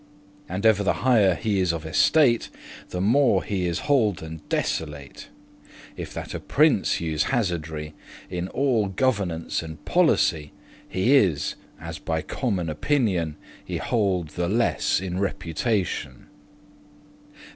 And ever the higher he is of estate, The more he is holden desolate.* *undone, worthless If that a prince use hazardry, In alle governance and policy He is, as by common opinion, Y hold the less in reputation.